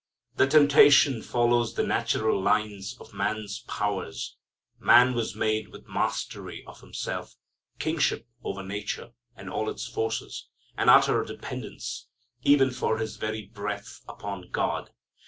The temptation follows the natural lines of man's powers. Man was made with mastery of himself, kingship over nature and all its forces, and utter dependence, even for his very breath, upon God.